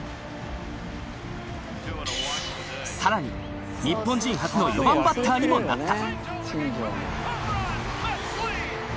更に日本人初の４番バッターにもなった。